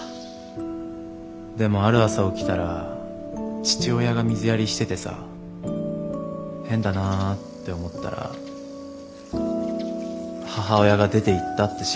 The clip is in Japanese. でもある朝起きたら父親が水やりしててさ変だなって思ったら母親が出ていったって知らされた。